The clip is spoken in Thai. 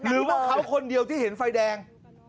หรือว่าเขาคนเดียวที่เห็นไฟแดง